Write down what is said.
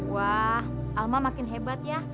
wah alma makin hebat ya